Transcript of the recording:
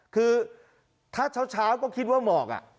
คือถ้าเช้าก็คิดว่าหมอก